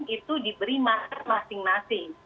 itu diberi masker masing masing